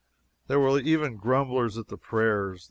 There were even grumblers at the prayers.